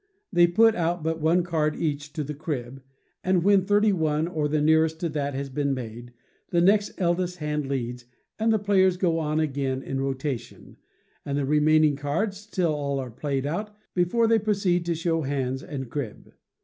They put out but one card each to the crib, and when thirty one, or the nearest to that has been made, the next eldest hand leads, and the players go on again in rotation, with the remaining cards, till all are played out, before they proceed to show hands and crib.